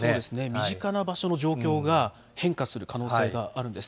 身近な場所の状況が変化する可能性があるんです。